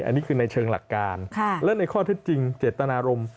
อันนี้คือในเชิงหลักการและในข้อเท็จจริงเจตนารมณ์